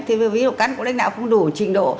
thì ví dụ cán của đánh đạo không đủ trình độ